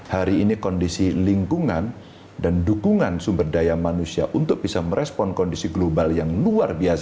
hari ini kondisi lingkungan dan dukungan sumber daya manusia untuk bisa merespon kondisi global yang luar biasa